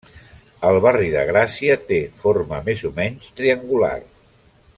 El barri de Gràcia té forma més o menys triangular.